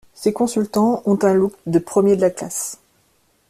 Ces consultants ont un look de premiers de la classe.